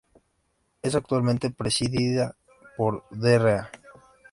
Es actualmente presidida por la Dra.